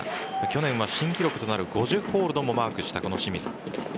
去年は新記録となる５０ホールドもマークしたこの清水。